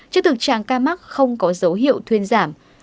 trước thực trạng ca mắc không có dấu hiệu thuyên giảm